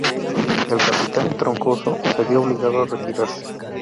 El capitán Troncoso, se vio obligado a retirarse.